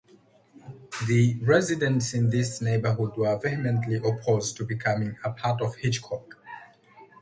The residents in this neighborhood were vehemently opposed to becoming a part of Hitchcock.